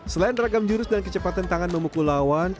selain ragam jurus dan kecepatan tangan memukul lawan